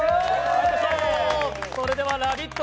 それではラヴィット！